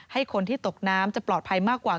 ให้คนที่ตกน้ำจะปลอดภัยมากกว่า